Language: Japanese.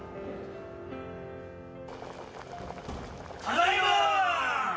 ただいまー！